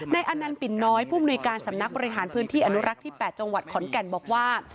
อนันต์ปิ่นน้อยผู้มนุยการสำนักบริหารพื้นที่อนุรักษ์ที่๘จังหวัดขอนแก่นบอกว่า